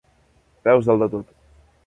Peus dalt de tot.